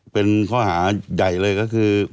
เป็นข้อหาใหญ่เลยก็คือ